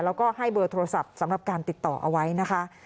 แล้วก็ให้เบอร์โทรศัพท์สำหรับการติดต่อเอาไว้นะคะ